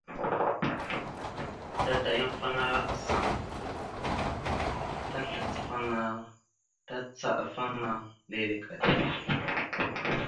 Tatayaŋara asaŋ tazlacafaŋa takəcaɗafaŋa leele ka tipe.